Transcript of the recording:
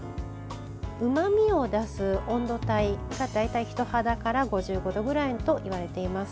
うまみを出す温度帯が大体、人肌から５５度ぐらいといわれています。